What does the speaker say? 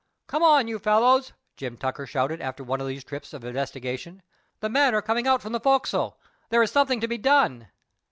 "Come out, you fellows!" Jim Tucker shouted after one of these trips of investigation. "The men are coming out from the fo'castle. There is something to be done."